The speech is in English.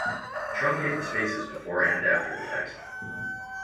Truncate the spaces before and after the text.